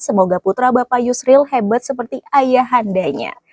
semoga putra bapak yusril hebat seperti ayah andanya